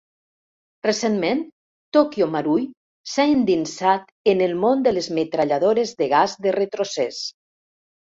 Recentment, Tokyo Marui s'ha endinsat en el món de les metralladores de gas de retrocés.